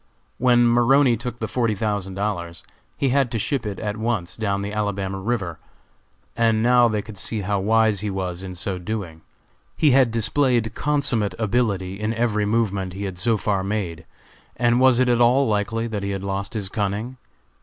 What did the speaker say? When Maroney took the forty thousand dollars, he had to ship it at once down the Alabama river, and now they could see how wise he was in so doing. He had displayed consummate ability in every movement he had so far made, and was it at all likely that he had lost his cunning?